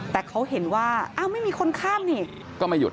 แต่เขาเห็นว่าไม่มีคนข้ามนี่